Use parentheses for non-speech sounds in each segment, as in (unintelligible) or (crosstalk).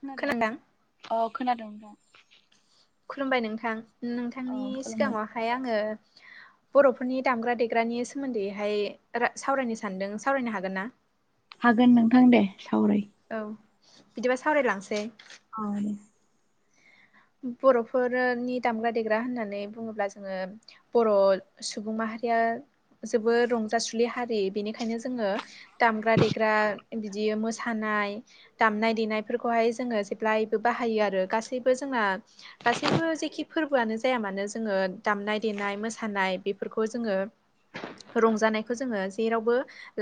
खोनादों अ खोनादों नोंथां। खुलुमबाय नोंथां औ नोंथांनि खुलुमबाय सिगाङावहाय आङो बर'फोरनि दामग्रा देग्रानि सोमोन्दैहाय रा सावरायनो सान्दों सावरायनो हागोन ना? हागोन नोंथां दे सावराय। औ बिदिबा सावरायलांसै औ। बर'फोरनि दामग्रा देग्रा होननानै बुङोब्ला जोङो बर' सुबुं माहारिया जोबोर रंजासुलि हारि बेनिखायनो जोङो दामग्रा देग्रा बिदि मोसानाय दामनाय देनायफोरखौहाय जोङो जेब्लायबो बाहायो आरो गासैबो जोंहा गासैबो जेखि फोरबोआनो जाया मानो जोङो दामनाय देनाय मोसानाय बेफोरखौ जोङो रंजानायखौ जोङो जेरावबो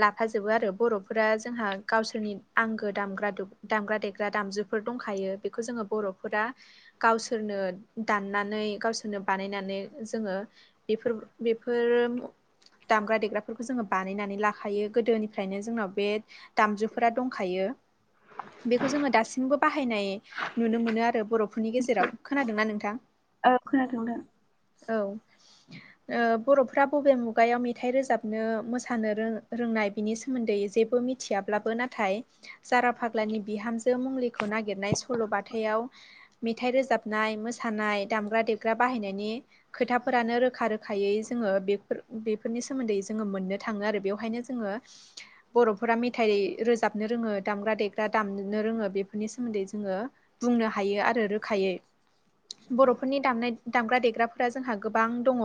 लाफाजोबो आरो बर'फोरा जोंहा गावसोरनि आंगो दामग्रा दामग्रा देग्रा दामजुफोर दंखायो बेखौ जोङो बर'फोरा गावसोरनो दाननानै गावसोरनो बानायनानै जोङो बेफोर बेफोरो दामग्रा देग्राफोरखौ जोंङो बानायनानै लाखायो गोदोनिफ्रायनो जोंनाव बे दामजुफोरा दंखायो बेखौ जोंङो दासिमबो बाहायनाय नुनो मोनो आरो बर' गेजेराव खोनादोंना नोंथां? औ खोनादों नोंथां औ। ओ बर'फ्रा बबे मुगायाव मेथाइ रोजाबनो मोसानो रों-रोंनाय? बिनि सोमोन्दै जेबो मिथियाब्लाबो नाथाय जारा फाग्लानि बिहामजो मुंलिखौ नागिरनाय सल'बाथायाव मेथाइ रोजाबनाय मोसानाय दामग्रा देग्रा बाहायनायनि खोथाफोरानो रोखा रोखायै जोङो बेफोर बेफोरनि सोमोन्दै जोङो मोननो थाङो आरो बेवहायनो जोङो बर'फोरा मेथाइ रोजाबनो रोङो दामग्रा देग्रा दामनो रोङो बेफोरनि सोमोन्दै जोङो बुंनो हायो आरो रोखायै। बर'फोरनि दामनाय दामग्रा देग्राफोरा जोंहा गोबां दंङ'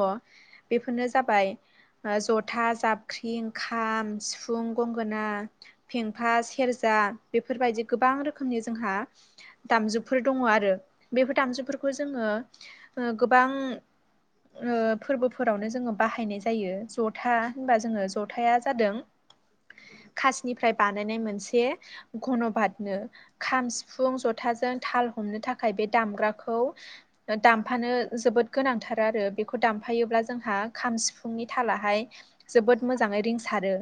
बेफोरनो जाबाय जथा जाबख्रिं खाम सिफुं गंगोना फेंफा सेरजा बेफोरबायदि गोबां रोखोमनि जोंहा दामजुफोर दङ' आरो बेफोर दामजुफोरखौ जोंङो ओ गोबां ओ फोरबोफोरावनो जोङो बाहायनाय जायो जथा होनबा जोङो जथाया जादों खासनिफ्राय बानायनाय मोनसे घन'बादनो खाम सिफुं जथाजों थाल हमनो था खाय बे दामग्राखौ दामफानो जोबोद गोनांथार आरो बेखौ दामफायोब्ला जोंहा खाम सिफुंनि थालाहाय जोबोद मोजांङै रिंसारो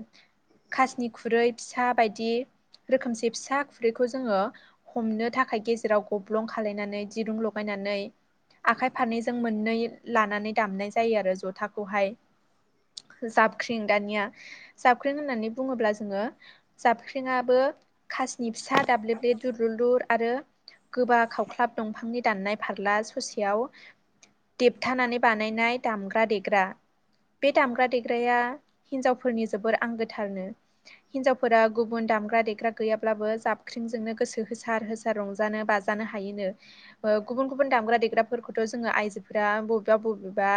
खासनि खुरै फिसा बायदि रोखोमसे फिसा खुरैखौ जोङो हमनो थाखाय गेजेराव गब्लं खालायनानै दिरुं लगायनानै आखाइ फारनैजों मोननै लानानै दामनाय जायो आरो जथाखौहाय। जाबख्रिं दानिया जाबख्रिं होननानै बुङोब्ला जोङो जाबख्रिंआबो खासनि फिसा दाब्लेब्लेद दुलुर लुर आरो गोबा खाव ख्लाब दंफांनि दान्नाय फार्ला ससेयाव देबथानानै बानायनाय दामग्रा देग्रा। बे दामग्रा देग्राया हिनजावफोरनि जोबोर आंगोथारनो। हिनजावफोरा गुबुन दामग्रा देग्रा गैयाब्लाबो जाबख्रिंजोंनो गोसो होसार होसार रंजानो बाजानो हायोनो। ओ गुबुन गुबुन दामग्रा देग्राफोरखौथ' जोङो आइजोफोरा बबेबा बबेबा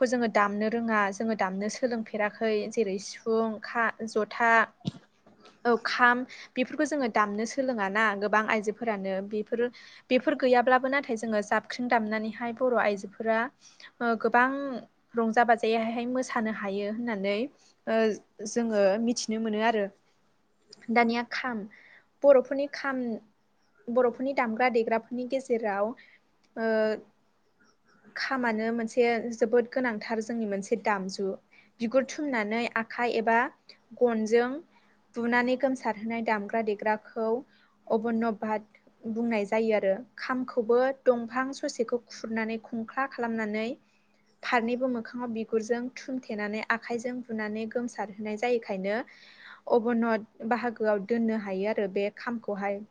खौ जोङो दामनो रोङा जोङो दामनो सोलोंफेराखै जेरै सिफुं खा जथा औ खाम बे फोरखौ जोङो दामनो सोलोङा ना गोबां आइजोफोरानो बेफोरो बेफोर गैयाब्लाबो नाथाय जोङो जाबख्रिं दामनानैहाय बर' आइजोफोरा ओ गोबां रंजा बाजायैहाय मोसानो हायो होननानै ओ जोङो मिथिनो मोनो आरो। दानिया खाम बर'फोरनि खाम बर'फोरनि दामग्रा देग्रा फोरनि गेजेराव ओ खामानो मोनसे जोबोद गोनांथार जोंनि मोनसे दामजु। बिगुर थुमनानै आखाइ एबा गनजों बुनानै गोमसारहोनाय दामग्रा देग्राखौ अभन'बाद बुंनाय जायो आ रो। खामखौबो दंफां ससेखौ खुरनानै खुंख्ला खालामनानै फारनैबो मोखाङाव बि गुरजों थुमथेनानै आखाइजों बुनानै गोमसारहोनाय जायोखायनो अभ'नद बाहागोआव दोननो हायो आरो बे खामखौहाय।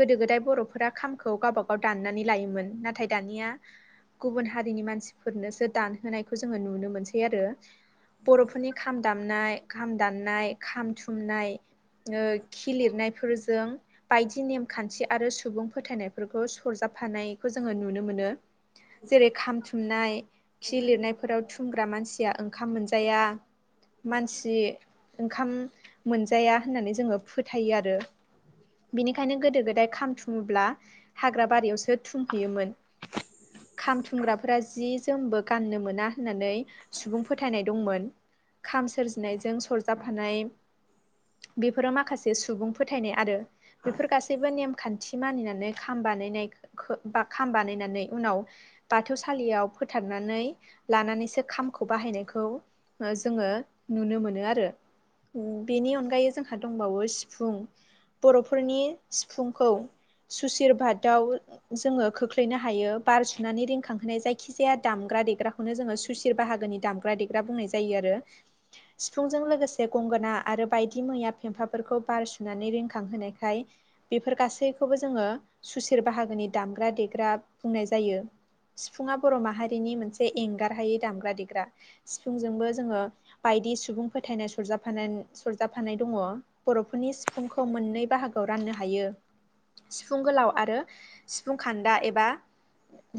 गोदो गोदाय बर'फोरा खामखौ गावबागाव दाननानै लायोमोन नाथाय दानिया गुबुन हारिनि मानसिफोरनोसो दानहोनायखौ जोङो नुनो मोनसै आरो। बर'फोरनि खाम दामनाय खान दाननाय खाम थुमनाय ओ खि लिरनायफोरजों बायदि नेमखान्थि आरो सुबुं फोथायनायफोरखौ सरजाबफानायखौ जोङो नुनो मोनो। जेरै खाम थुमनाय खि लिरनायफोराव थुमग्रा मानसिया ओंखाम मोनजाया मानसि ओंखाम मोनजाया होननानै जोङो फोथायो आरो। बिनिखायनो गोदो गोदाय खाम थुमोब्ला हाग्रा बारियावसो थुमहैयोमोन खाम थुमग्राफोरा जि जोमबो गाननो मोना होननानै सुबुं फोथायनाय दंमोन खाम सोरजिनायजों सरजाबफानाय बेफोराव माखासे सुबुं फोथायनाय आरो बेफोर गासैबो नेमखान्थि मानिनानै खाम बानायनाय खो बा खाम बानायनानै उनाव बाथौसालियाव फोथारनानै लानानैसो खामखौ बाहायनायखौ ओ जोङो नुनो मोनो आरो बेनि अनगायै जोंहा दंबावो सिफुं बर'फोरनि सिफुंखौ सुशिर भादाव जोङो खोख्लैनो हायो बार सुनानै रिखांहोनाय जायखि जाया दामग्रा देग्राखौनो जोङो सुसि बाहागोनि दामग्रा देग्रा बुंनाय जायो आरो सिफुंजों लोगोसे गंगोना आरो बायदि मैया फेम्फाफोरखौ बार सुनानै रिखांहोनायखाय बेफोर गासैखौबो जोङो सुसिर बाहागोनि दामग्रा देग्रा बुंनाय जायो सिफुंआ बर' माहारिनि मोनसे एंगारहायै दामग्रा देग्रा सिफुंजोंबो जोङो बायदि सुबुं फोथायनाय सरजाफाना सरजाफानाय दङ बर'फोरनि सिफुंखौ मोननै बाहागोआव राननो हायो सिफुं गोलाव आरो सिफुं खान्दा एबा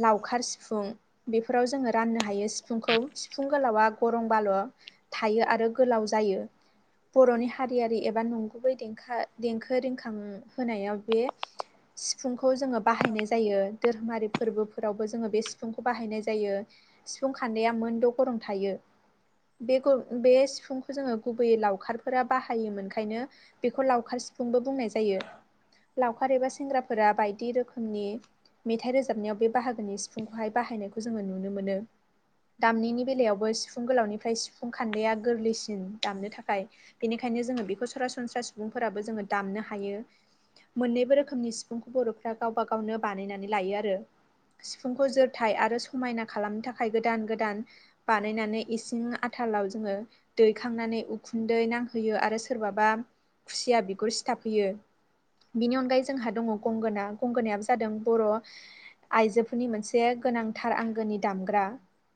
लावखार सिफुं बेफोराव जोङो राननो हायो सिफुंखौ सिफुं गोलावा गरं बाल' थायो आरो गोलाव जायो बर'नि हारियारि एबा नंगुबै दें देंखो रिखां होनायाव बे (inaudible) सिफुंखौ जोङो बाहायनाय जायो धोरोमारि फोरबोफोरावबो जोङो बे सिफुंखौ बाहायनाय जायो सिफुं खान्दा मोनद' गरं थायो बेखौ बे सिफुंखौ जोङो गुबैयै लावखार फोरा बाहायोमोनखायनो बेखौ लावखार सिफुंबो बुंनाय जायो लावखार एबा सेंग्राफोरा बायदि रोखोमनि मेथाइ रोजाबनायाव बे बाहागोनि सिफुंखौहाय बाहायनायखौ जोङो नुनो मोनो दामनायनि बेलायावबो सिफुं गोलावनिफ्राय सिफुं खान्दाया गोरलैसिन दामनो थाखाय बेनिखायनो जोङो बेखौ सरासनस्रा सुबुंफोराबो जोङो दामनो हायो मोननैबो रोखोमनि सिफुंखौ बर'फ्रा गावबा गावनो बानायनानै लायो आरो सिफुंखौ जोरथाय आरो समायना खालामनो थाखाय गोदान गोदान बानायनानै इसिं आथालाव जोङो दैखांनानै उखुन्दै नांहोयो आरो सोरबाबा खुसिया बिगुर सिथाबहैयो बिनि अनगायै जोंहा दङ गंगोना गंगोनायाबो जादों बर' आइजोफोरनि मोनसे गोनांथार आंगोनि दामग्रा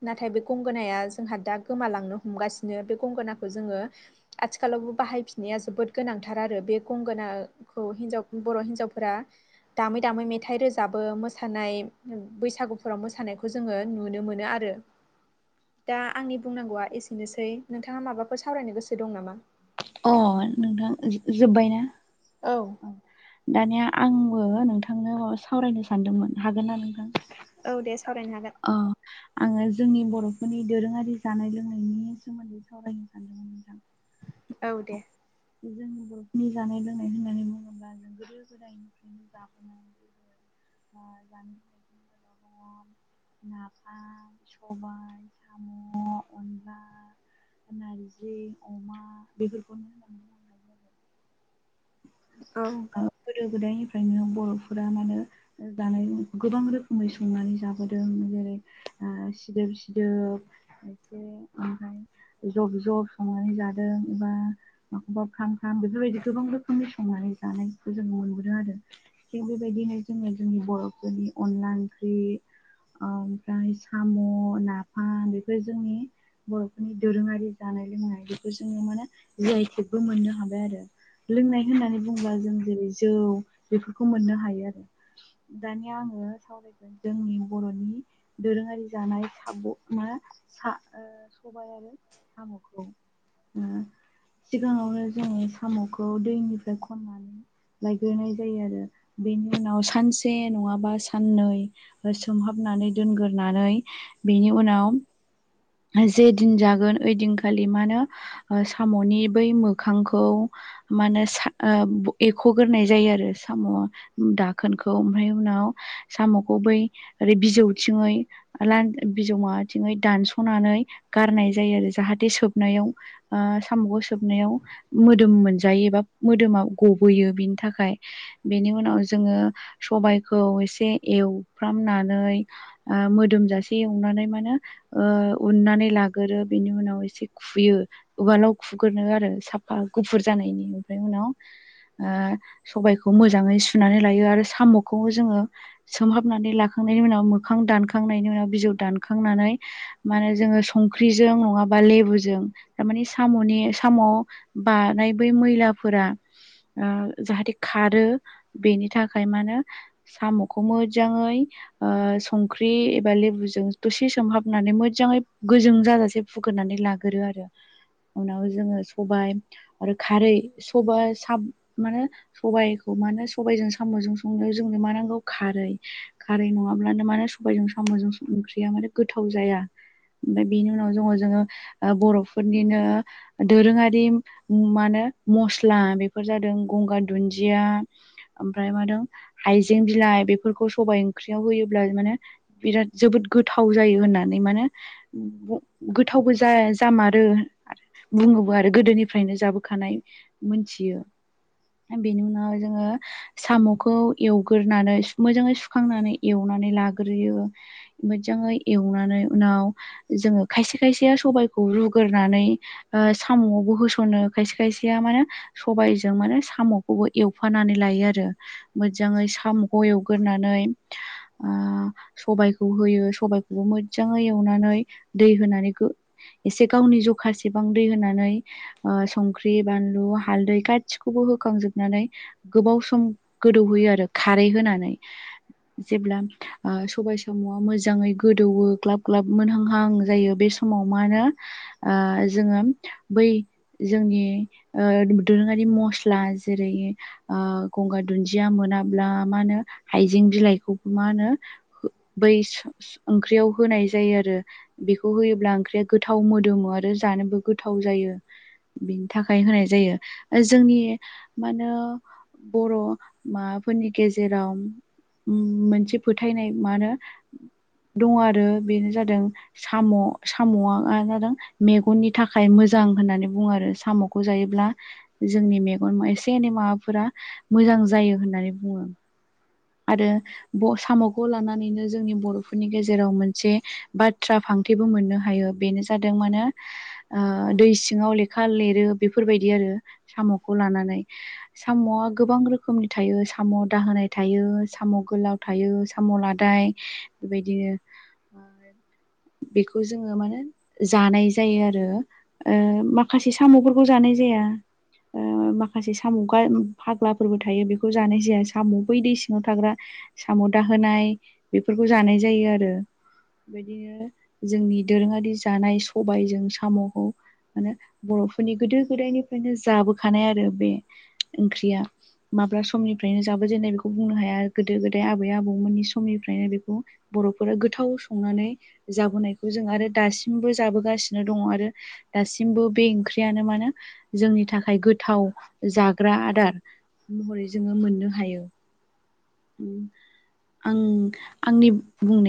नाथाय बे गंगोनाया जोंहा दा गोमालांनो ह हमगासिनो बे गंगोनाखौ जोङो आथिखालावबो बाहायफिननाया जोबोद गोनांथार आरो बे गंगोना हिन्जाव बर' हिन्जावफोरा दामै दामै मेथाइ रोजाबो मोसानाय बैसागुफोराव मोसानायखौ जोङो नुनो मोनो आरो दा आंनि बुंनांगौआ एसेनोसै नोंथाङा माबाफोर सावरायनो गोसो दं नामा अ नोंथां जोब्बाय ना औ दानिया आंबो नोंथांनो सावरायनो सानदोंमोन हागोन ना नोंथां औ दे सावरायनो हागोन ओ आङो जोंनि बर'फोरनि दोरोङारि जानाय लोंनायनि सोमोन्दै सावरायनो सानदोंमोन नोंथां औ दे जोंनि बर'फोरनि जानाय लोंनाय होननानै बुङोब्ला जों गोदो गोदायनिफ्रायनो जाबोन (inaudible) नाफाम सबाय साम' अनला नारजि अमा बेफोरखौनो औ (unintelligible) गोदो गोदायनिफ्रायनो बर'फोरा मानोे जानायाव गोबां रोखोमै संनानै जाबोदों जेरै आ सिदोब सिदोब इसे ओमफ्राय जब जब संनानै जादों एबा माखौबा खाम खाम बेफोरबायदि गोबां रोखोमनि संनानै जानायखौ जों मोनबोदों आरो थिग बेबायदिनो जोङो जोंनि बर'फोरनि अनला ओंख्रि ओमफ्राय साम' नाफाम बेफोर जोंनि बर'फोरनि दोरोङारि जानाय लोंनाय बेखौ जोङो माने जाय खेबबो मोननो हाबाय आरो लोंनाय होननानै बुंङोबा जों जेरै जौ बेफोरखौ मोननो हायो आरो दानिया आङो सावराय जोंनि बर'नि दोरोङारि जानाय साम' सबाय आरो साम'खौ सिगाङावनो जोङो साम'खौ दैनिफ्राय खननानै लायग्रोनाय जायो आरो बेनि उनाव सानसे नङाबा साननै सोमहाबनानै दोनग्रोरोनानै बेनि उनाव जे दिन जागोन ओइ दिनखालि मा होनो साम'नि बै मोखांखौ मा होनो एख'ग्रोननाय जायो आरो साम'आ दाखोनखौ ओमफ्राय उनाव साम'खौ बै ओरै बिजौथिङै बिजौ माबाथिं दान्स (inaudible) सोबनायाव मोदोम मोनजायो एबा मोदोमा गबोयो बिनि थाखाय बेनि उनाव जोङो सबायखौ एसे एवफ्रामनानै ओ मोदोमजासे एवनानै माने ओ उननानै लागोरो बिनि उनाव एसे खुयो उवालाव खुग्रो आरो साफा गुफुर जानायनि ओमफ्राय उनाव ओ सबायखौ मोजाङै सुनानै लायो आरो साम'खौबो जोङो सोमहाबनानै लाखांनायनि उनाव मोखां दानखांनायनि उनाव बिजौ दानखांनानै म होने जोङो संख्रिजों नङाबा लेबुजों थारमानि साम'नि साम' बानाय बै मैलाफोरा ओ जाहाथे खारो बेनि थाखाय मानोो साम'खौ मोजाङै ओ संख्रि एबा लेबुजों दसे सोमहाब नानै मोजाङै गोजों जाजासे फुग्रनानै लाग्रो आरो उनाव जोङो सबाय आरो खारै सबाइ साब माने सबायाइखौ मानो होनो सबबायजों साम'जों संनायाव जोंनो मा नांगौ खारै खारै नङाब्लानो माने सबायजों साम'जों ओंख्रिया माने गोथाव जाया ओमफफ्राय बेनि उनाव जोङो ओ जोङो बर'फोरनिनो दोरोङारि मा होनो मस्ला बेफोर जादों गंगार दुन्दिया ओमफ्राय मादों हाइजें बिलाइ बेफोरखौ सबाइ ओंख्रियाव होयोब्ला माने बिराद जोबोद गोथाव जायो होननानै माने गोथावबो जा जामारो बुङोबो आरो गोदोनिफ्रायनो जाबोखानाय मोनथियो बेनि उनाव जोङो साम'खौ एवग्रोनानै मोजाङै सुखांनानै एवनानै लाग्रोयो मोजाङै एवनानै उनाव जोङो खायसे खायसेया सबायाइखौ रुगोरनानै ओ साम' आवबो होसनो खायसे खायसेया मानो सबायजों माने सामखौबो एवफानानै लायो आरो। मोजाङै साम'खौ एवगोरनानै ओ सबायखौ होयो सबाय बो मोजाङै एवनानै दै होनानै गो एसे गावनि जखासेबां दै होनानै ओ संख्रि बानलु हालदै गासिखौबो होखांजोबनानै गोबाव सम गोदौहोयो आरो खारै होनानै जेब्ला ओ सबाय साम'आ मोजाङै गोदौवो ग्लाब ग्लाब मोनहांहां जायो बे समाव माहोनो ओ जोङो बै जोंनि ओ दोरोङारि मस्ला जेरै ओ गंगार दुन्दिया मोनाब्ला मा होनो हाइजें बिलाइखौबो मा होनो हो बै सो सोओंख्रियाव होनाय जायो आरो। बेखौ होयोब्ला ओंख्रिया गोथाव मोदोमो आरो जानोबो गोथाव जायो। बिनि थाखाय होनाय जायो आरो जोंनि मा होनो? बर' मा फोरनि गेजेराव उम मोनसे फोथायनाय मा नो दङ आरो बेनो जादों। साम' साम'आ जादों मेगननि थाखाय मोजां होननानै बुङो आरो साम' खौ जायोब्ला जोंनि मेगन एसे एनै माबाफोरा मोजां जायो होननानै बुङो। आरो ब साम'खौ लानानैनो जोंनि बर'फोरनि गेजेराव मोनसे बाथ्रा फांथे बो मोननो हायो बेनो जादों मानो? ओ दै सिङाव लेखा लिरो बेफोरबायदि आरो साम'खौ लानानै साम'आ गोबां रोखोमनि थायो साम' दाहोनाय था थायो साम'गोलाव थायो साम' लादाय बेबायदिनो बेखौ जोङो माने जानाय जायो आरो। ओ माखासे साम'फोरखौ जानाय जाया। ओ माखासे साम' गा फाग्लाफोरबो थायो बेखौ जानाय जाया साम' बै दै सिङाव थाग्रा साम' दाहोनाय बेफोरखौ जानाय जायो आरो। बेदिनो जोंनि दोरोङारि जानाय सबायजों साम'खौ मानो बरफोरनि गोदो गोदायनिफ्रायनो जाबोखानाय आरो बे ओंख्रिया। माब्ला समनिफ्रायनो जाबो जेननाय बेखौ बुंनो हाया गोदो गोदाय आबै आबौमोननि समनिफ्रायनो बेखौ बर'फोरा गोथाव संनानै जाबोनायखौ जों आरो दासिमबो जाबोगासिनो दङ आरो दासिमबो बे ओंख्रि यानो मानो जोंनि थाखाय गोथाव। जाग्रा आदार महरै जोङो मोननो हायो। उम आं आंनि बुंनाय